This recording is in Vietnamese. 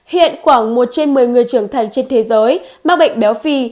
hiện khoảng một trên một mươi người trưởng thành trên thế giới mắc bệnh béo phì